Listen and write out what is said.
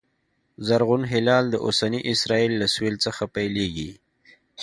زرغون هلال د اوسني اسرایل له سوېل څخه پیلېږي